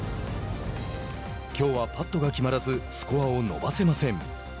きょうはパットが決まらずスコアを伸ばせません。